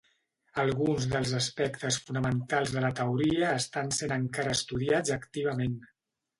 Alguns dels aspectes fonamentals de la teoria estan sent encara estudiats activament.